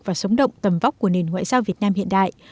và sống động tầm vóc của nền ngoại giao việt nam hiện đại